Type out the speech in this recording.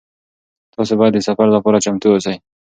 تاسي باید د سفر لپاره چمتو اوسئ.